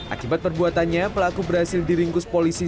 akibat perbuatannya pelaku berhasil diringkus polisi